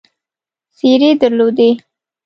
څېرې درلودې.